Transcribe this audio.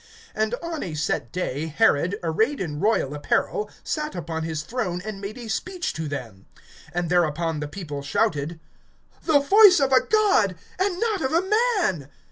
(21)And on a set day Herod, arrayed in royal apparel, sat upon his throne, and made a speech to them. (22)And thereupon the people shouted: The voice of a god, and not of a man!